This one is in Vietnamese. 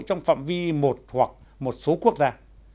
trong phạm vi một hoặc một số quốc gia